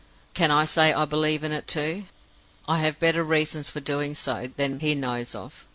Can I say I believe in it, too? I have better reasons for doing so than he knows of.